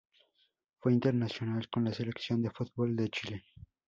Fue internacional con la Selección de fútbol de Chile.